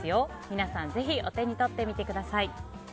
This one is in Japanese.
皆さんぜひお手に取ってみてください。